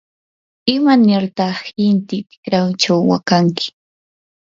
¿imanirtaq inti tikraychaw waqanki?